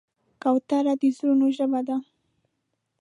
کوتره د زړونو ژبه ده.